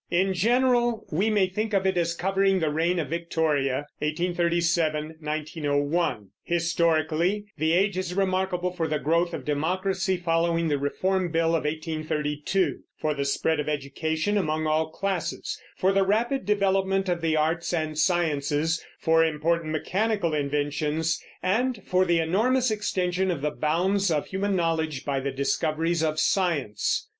In general we may think of it as covering the reign of Victoria (1837 1901). Historically the age is remarkable for the growth of democracy following the Reform Bill of 1832; for the spread of education among all classes; for the rapid development of the arts and sciences; for important mechanical inventions; and for the enormous extension of the bounds of human knowledge by the discoveries of science.